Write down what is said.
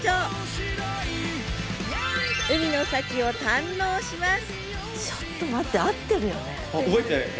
海の幸を堪能します！